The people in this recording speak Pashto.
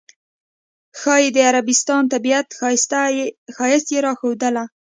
ښایي د عربستان طبیعت ښایست یې راښودله.